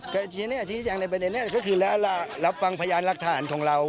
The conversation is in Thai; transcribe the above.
ก็ชินิจแจงในประเด็นเนี้ยก็คือและและแล้วฟังพยานรักฐานของเรา